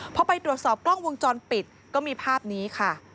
พอไปตรวจสอบกล้องวงจรปิดก็มีภาพนี้ค่ะ